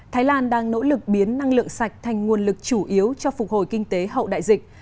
thái lan đang nỗ lực biến năng lượng sạch thành nguồn lực chủ yếu cho phục hồi kinh tế hậu đại dịch